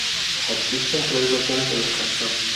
Existen tres versiones de la canción.